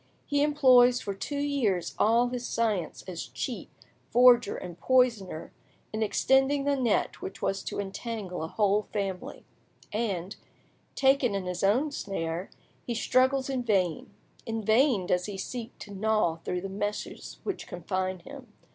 He employs for two years all his science as cheat, forger, and poisoner in extending the net which was to entangle a whole family; and, taken in his own snare, he struggles in vain; in vain does he seek to gnaw through the meshes which confine him.